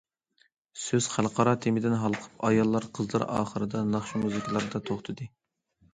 سۆز خەلقئارا تېمىدىن ھالقىپ ئاياللار- قىزلار، ئاخىرىدا ناخشا- مۇزىكىلاردا توختىدى.